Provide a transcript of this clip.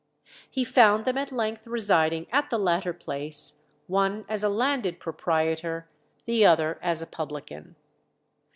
He found them at length residing at the latter place, one as a landed proprietor, the other as a publican.